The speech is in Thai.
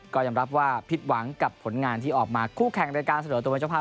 ก็ยอมรับว่าผิดหวังกับผลงานที่ออกมาคู่แข่งในการเสนอตัวเป็นเจ้าภาพ